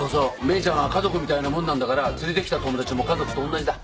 メイちゃんは家族みたいなもんなんだから連れてきた友達も家族とおんなじだ。